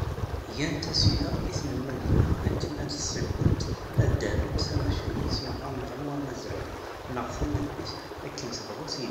Gant asileɣ i tnelmadin-a akken ad ssiwḍent ad d-arunt tamacahut neɣ aneḍruy amazray neɣ tanfalit akken tebɣu tili.